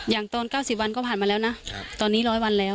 อย่างตอนเก้าสิบวันก็ผ่านมาแล้วนะตอนนี้ร้อยวันแล้ว